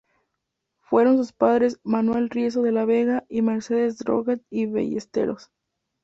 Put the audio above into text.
Fueron sus padres Manuel Riesco de la Vega y Mercedes Droguett y Ballesteros.